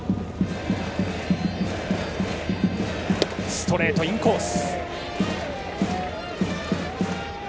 ストレート、インコース。